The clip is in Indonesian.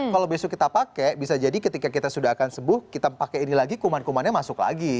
kalau besok kita pakai bisa jadi ketika kita sudah akan sembuh kita pakai ini lagi kuman kumannya masuk lagi